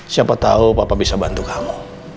siapa tahu papa bisa bantu kamu